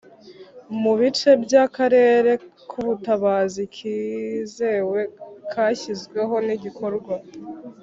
Mu bice by akarere k ubutabazi kizewe kashyizweho n igikorwa